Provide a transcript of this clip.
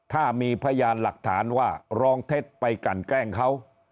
ถ้ามีพยานหลักฐานว่ารองเท็จไปกันแกล้งเขา